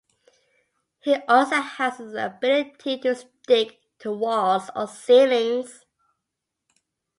He also has the ability to stick to walls or ceilings.